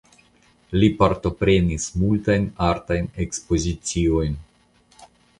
Li partoprenis multajn artajn ekspoziciojn.